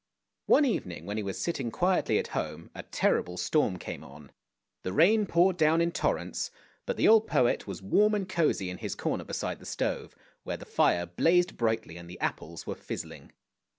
One evening when he was sitting quietly at home a terrible storm came on; the rain poured down in torrents, but the old poet was warm and cosy in his corner beside the stove, where the fire blazed brightly and the apples were fizzling.